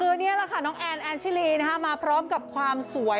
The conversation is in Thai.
คือนี่แหละค่ะน้องแอนแอนชิลีมาพร้อมกับความสวย